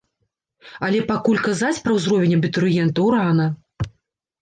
Але пакуль казаць пра ўзровень абітурыентаў рана.